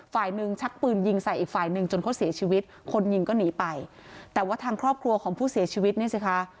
ฝ่ายหนึ่งชักปืนยิงใส่อีกฝ่ายหนึ่งจนเขาเสียชีวิตคนยิงก็หนีไปแต่ว่าทางครอบครัวของผู้เสียชีวิตเนี่ยสิคะ